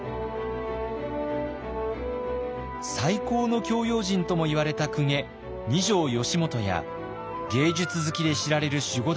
最高の教養人ともいわれた公家二条良基や芸術好きで知られる守護